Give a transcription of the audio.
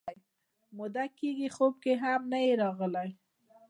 موده کېږي خوب کې هم نه یې راغلی